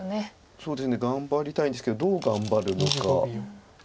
そうですね頑張りたいんですけどどう頑張るのか。